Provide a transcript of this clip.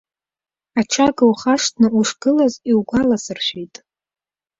Аҽага ухашҭны ушыҟаз, иугәаласыршәеит.